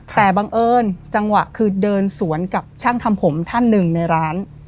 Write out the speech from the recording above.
แต่บังเอิญจังหวะคือเดินสวนกับช่างทำผมท่านหนึ่งในร้าน